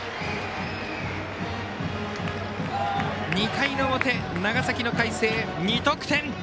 ２回の表、長崎の海星２得点！